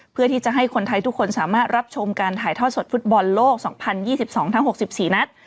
เพื่อที่จะให้คนไทยทุกคนสามารถรับชมการถ่ายทอดสดฟุตบอลโลก๒๐๒๒ทั้ง๖๔นัด